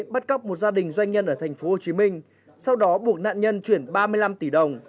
bắt cóc một gia đình doanh nhân ở tp hcm sau đó buộc nạn nhân chuyển ba mươi năm tỷ đồng